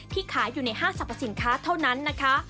ขายอยู่ในห้างสรรพสินค้าเท่านั้นนะคะ